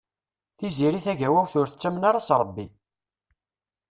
Tiziri Tagawawt ur tettamen ara s Ṛebbi.